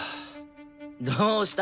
どうした？